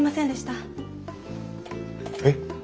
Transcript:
えっ？